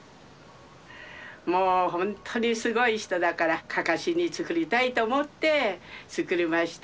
もうほんとにすごい人だからかかしに作りたいと思って作りました。